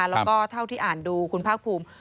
แล้วก็เท่าที่อ่านดูคุณภาคภูมิ